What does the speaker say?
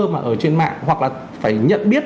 mà ở trên mạng hoặc là phải nhận biết